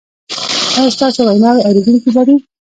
ایا ستاسو ویناوې اوریدونکي لري؟